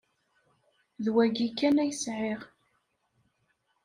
D wayi kan ay sεiɣ.